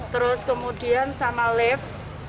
terus kemudian sama lift